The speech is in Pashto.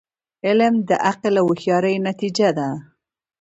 علم د عقل او هوښیاری نتیجه ده.